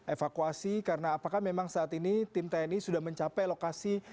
evakuasi karena apakah memang saat ini tim tni sudah mencapai lokasi